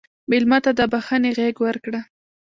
مېلمه ته د بښنې غېږ ورکړه.